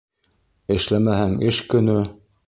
Эшләмәһәң эш көнө